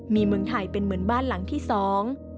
มีเมืองไทยเป็นเหมือนบ้านหลังที่สอง